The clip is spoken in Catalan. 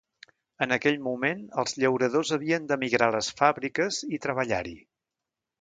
En aquell moment, els llauradors havien d'emigrar a les fàbriques i treballar-hi.